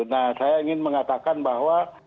nah saya ingin mengatakan bahwa